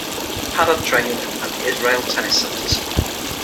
Hadad trained at the Israel Tennis Centers.